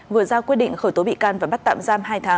quận tuân phú bị khởi tố bắt tạm giam